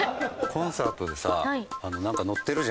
コンサートでさなんか乗ってるじゃん。